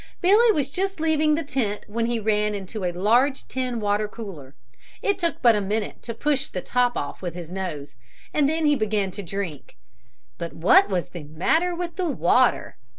Billy was just leaving the tent when he ran into a large tin water cooler. It took but a minute to push the top off with his nose and then he began to drink. But what was the matter with the water?